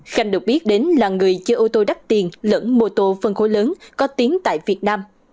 khanh được biết đến là người chơi ô tô đắt tiền lẫn mô tô phân khối lớn có tiếng tại việt nam